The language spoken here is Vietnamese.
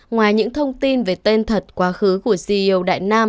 ngoài những thông tin về tên thật quá khứ của ceo đại nam